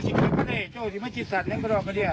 ชีวิตต้องเหล้าหรือไปอาจจะสลเนียนประเทศ